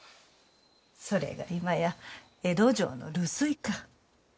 それが今や江戸城の留守居か。